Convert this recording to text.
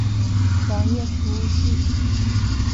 网页服务器。